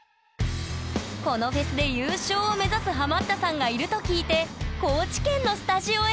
このフェスで優勝を目指すハマったさんがいると聞いて高知県のスタジオへ！